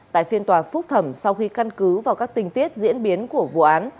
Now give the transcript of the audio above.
tại phiên tòa phúc thẩm sau khi căn cứ vào các tình tiết diễn biến của vụ án